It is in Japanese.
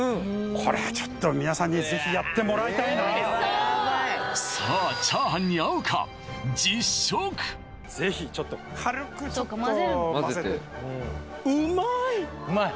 これはちょっと皆さんにぜひやってもらいたいなこれはヤバイさあ炒飯に合うかぜひちょっと軽くちょっとまぜてうまい・